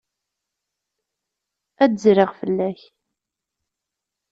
Ad d-zriɣ fell-ak.